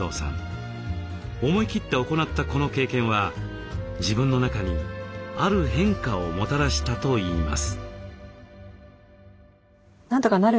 思い切って行ったこの経験は自分の中にある変化をもたらしたといいます。